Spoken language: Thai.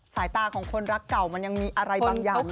สายตาของคนรักเก่ามันยังมีอะไรบางอย่าง